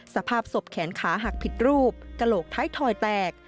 สภาพศพแขนขาหักผิดรูปกระโหลกท้ายถอยแตก